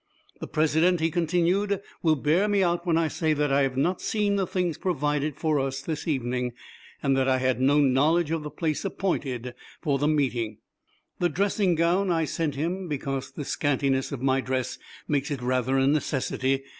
The President," he continued, "will bear me out when I say that I have not seen the things provided for use this evening, and that I had no knowledge of the place appointed for the meeting. The dressing gown I sent him because the scantiness of my dress makes it rather a necessity.